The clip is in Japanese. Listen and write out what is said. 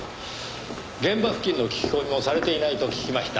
現場付近の聞き込みもされていないと聞きました。